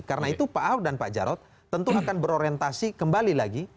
karena itu pak ahok dan pak jarod tentu akan berorientasi kembali lagi